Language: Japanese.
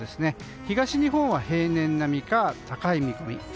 東日本は平年並みか高い見込み。